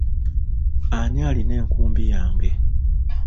Ani alina enkumbi yange?